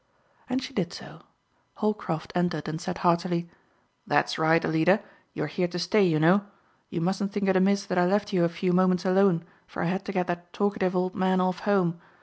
And she did so. Holcroft entered and said heartily, "That's right, Alida! You are here to stay, you know. You mustn't think it amiss that I left you a few moments alone for I had to get that talkative old man off home.